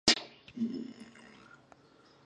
د کعبې انځور مخکې د لایټننګ بګز نوم مشهور و.